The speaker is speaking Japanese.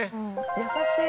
優しい。